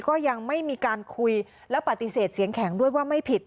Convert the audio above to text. ก็ยังไม่มีการคุยและปฏิเสธเสียงแข็งด้วยว่าไม่ผิด